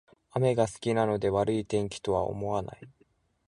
雨が好きなので悪い天気とは思わない